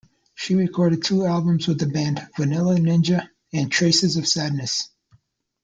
She recorded two albums with the band, "Vanilla Ninja" and "Traces Of Sadness".